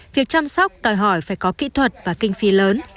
việc chăm sóc đòi hỏi phải có kỹ thuật và kinh phí lớn